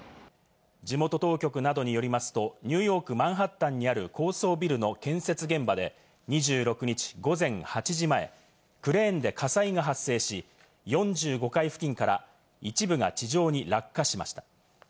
地元当局などによりますと、ニューヨーク・マンハッタンにある高層ビルの建設現場で２６日午前８時前、クレーンで火災が発生し、４５階付近から一部が地上に落下しました。